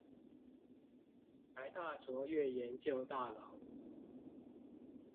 臺大卓越研究大樓